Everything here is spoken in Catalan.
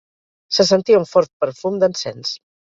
Se sentia un fort perfum d'encens.